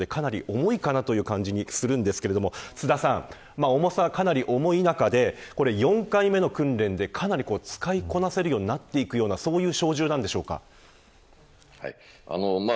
重さが３．５キロということでかなり重いかなという感じもするんですが津田さん重さはかなり重い中で４回目の訓練でかなり使いこなせるようになっていくような小銃なんでしょうか。